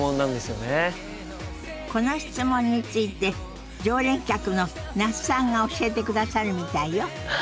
この質問について常連客の那須さんが教えてくださるみたいよ。